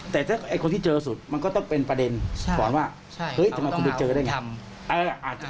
แต่ถ้าคนที่เจอสุดมันก็ต้องเป็นประเด็นก่อนว่าเฮ้ยทำไมคุณไปเจอได้ไง